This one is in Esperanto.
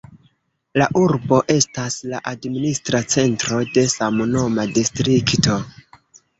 La urbo estas la administra centro de samnoma distrikto.